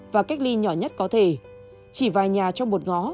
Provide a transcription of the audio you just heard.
và cách ly nhỏ nhất có thể chỉ vài nhà trong một ngó